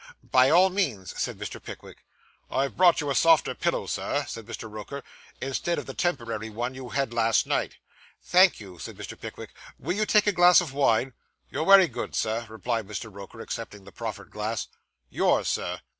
'By all means,' said Mr. Pickwick. 'I've brought you a softer pillow, Sir,' said Mr. Roker, 'instead of the temporary one you had last night.' 'Thank you,' said Mr. Pickwick. 'Will you take a glass of wine?' 'You're wery good, Sir,' replied Mr. Roker, accepting the proffered glass. 'Yours, sir.